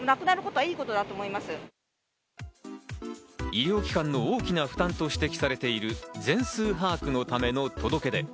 医療機関の大きな負担と指摘されている全数把握のための届け出。